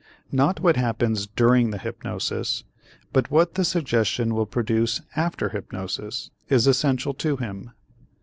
Not what happens during the hypnosis but what the suggestion will produce after hypnosis is essential to him.